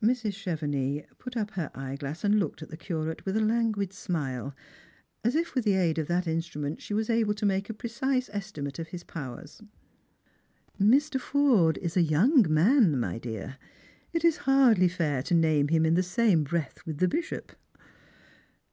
Mrs. Chevenix put up her eyeglass and looked at the Curate with a languid smile, as if with the aid of that instrument she were able to make a precise estimate of his powers. " Mr. Forde is a young man, my dear. It is hardly fair to name him in the same breath with the bishop."